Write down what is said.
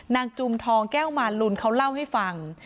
จุมทองแก้วมาลุนเขาเล่าให้ฟัง